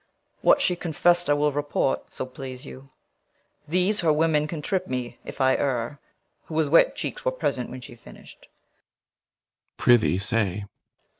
What she confess'd I will report, so please you; these her women Can trip me if I err, who with wet cheeks Were present when she finish'd. CYMBELINE. Prithee say.